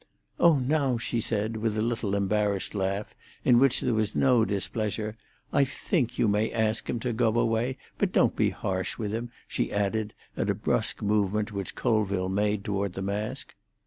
"Oh, now," she said, with a little embarrassed laugh, in which there was no displeasure, "I think you may ask him to go away. But don't be harsh with him," she added, at a brusque movement which Colville made toward the mask.